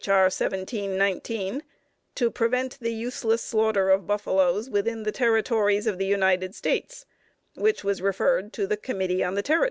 R. 1719) to prevent the useless slaughter of buffaloes within the Territories of the United States, which was referred to the Committee on the Territories.